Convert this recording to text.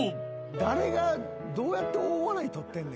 誰がどうやって大笑いとってんねん。